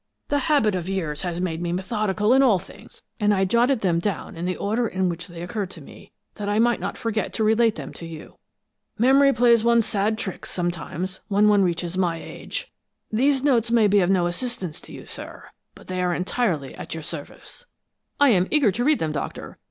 The habit of years has made me methodical in all things, and I jotted them down in the order in which they occurred to me, that I might not forget to relate them to you. Memory plays one sad tricks, sometimes, when one reaches my age. These notes may be of no assistance to you, sir, but they are entirely at your service." "I am eager to hear them, Doctor.